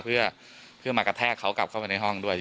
เพื่อมากระแทกเขากลับเข้าไปในห้องด้วย